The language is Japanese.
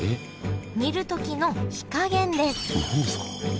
煮る時の火加減です。